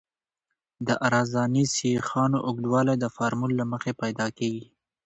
د عرضاني سیخانو اوږدوالی د فورمول له مخې پیدا کیږي